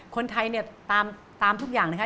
คนไทยเนี่ยตามทุกอย่างนะคะ